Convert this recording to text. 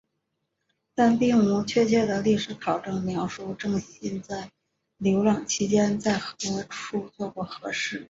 但并无确切的历史考证描述正信在流浪期间在何处做过何事。